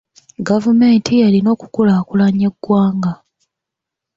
Gavumenti erina okukulaakulanya eggwanga.